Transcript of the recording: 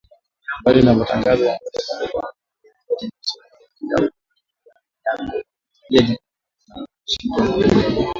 Mbali na matangazo ya moja kwa moja tuna vipindi vya televisheni vya kila wiki vya Afya Yako, Zulia Jekundu na Washingotn Bureau